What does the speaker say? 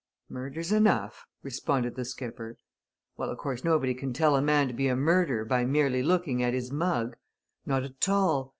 "Murder's enough," responded the skipper. "Well, of course, nobody can tell a man to be a murderer by merely looking at his mug. Not at all!